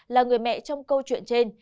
là người mẹ trong câu chuyện trên